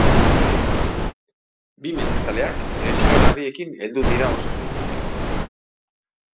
Bi mendizaleak lesio larriekin heldu dira osasun zentrora.